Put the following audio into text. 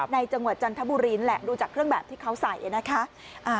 จังหวัดจันทบุรีแหละดูจากเครื่องแบบที่เขาใส่นะคะ